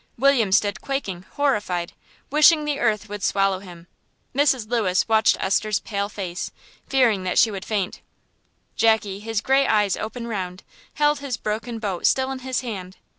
William stood quaking, horrified, wishing the earth would swallow him; Mrs. Lewis watched Esther's pale face, fearing that she would faint; Jackie, his grey eyes open round, held his broken boat still in his hand.